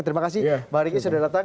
terima kasih bang riki sudah datang